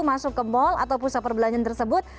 masuk ke mal atau pusat perbelanjaan tersebut